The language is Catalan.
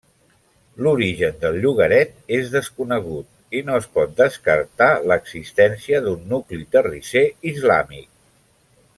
L'origen del llogaret és desconegut i no es pot descartar l'existència d'un nucli terrisser islàmic.